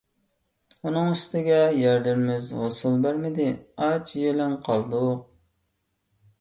ئۇنىڭ ئۈستىگە، يەرلىرىمىز ھوسۇل بەرمىدى. ئاچ - يېلىڭ قالدۇق.